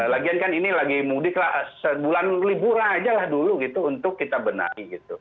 lagian kan ini lagi mudik lah sebulan liburan aja lah dulu gitu untuk kita benahi gitu